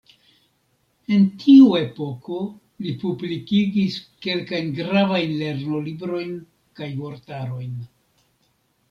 En tiu epoko li publikigis kelkajn gravajn lernolibrojn kaj vortarojn.